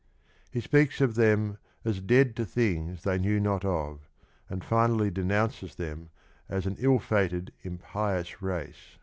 He speaks of them as " dead to things they knew not of," and finally denounces them as an Ill fated, impious race